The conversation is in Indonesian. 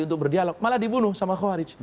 untuk berdialog malah dibunuh sama hoaric